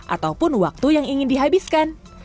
ataupun waktu yang ingin dihabiskan